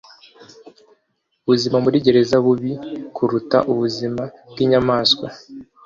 Ubuzima muri gereza bubi kuruta ubuzima bwinyamaswa.